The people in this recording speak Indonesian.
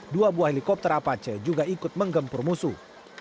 dua buah helikopter apache juga ikut menggempur musuh